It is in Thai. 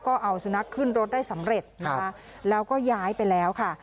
ก็เอาสุนัขขึ้นรถได้สำเร็จนะคะแล้วก็ย้ายไปแล้วค่ะ